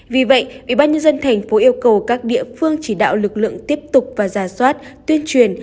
vì vậy ủy ban nhân dân thành phố yêu cầu các địa phương chỉ đạo lực lượng tiếp tục và ra soát tuyên truyền